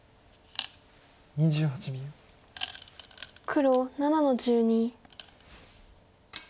黒７の十二。